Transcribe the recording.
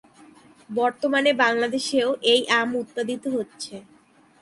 বর্তমানে বাংলাদেশেও এই আম উৎপাদিত হচ্ছে।